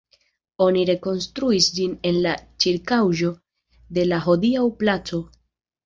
Oni rekonstruis ĝin en la ĉirkaŭaĵo de la hodiaŭa "Placo".